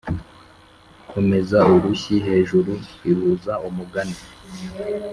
komeza urushyi hejuru ihuza umugani